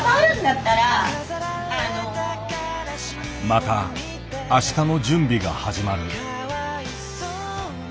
またあしたの準備が始まる。